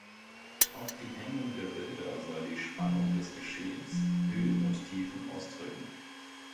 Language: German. Auch die Hängung der Bilder soll die Spannung des Geschehens, Höhen und Tiefen ausdrücken.